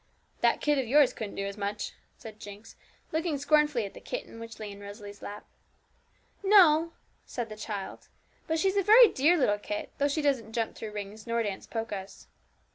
'That kit of yours couldn't do as much,' said Jinx, looking scornfully at the kitten which lay in Rosalie's lap. 'No,' said the child; 'but she's a very dear little kit, though she doesn't jump through rings nor dance polkas.'